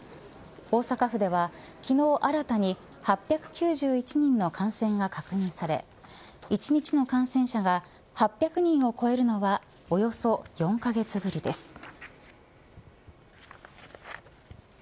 大阪府では、昨日新たに８９１人の感染が確認され１日の感染者が８００人を超えるのはおよそ４カ月ぶりです。